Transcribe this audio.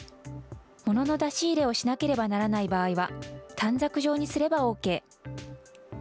ものの出し入れをしなければならない場合は短冊状にすればＯＫ。